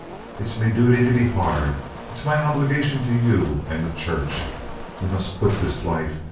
It's me duty to be hard. It's my obligation to you and the Church. Ye must quit this life.